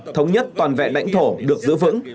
thống nhất toàn vẹn đảnh thổ được giữ vững